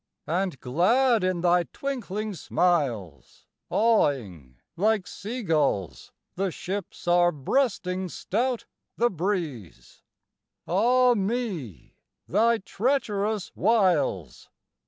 And glad in thy twinkling smiles, Awing, like sea gulls, the ships Are breasting stout the breeze, Ah me, thy treacherous wiles!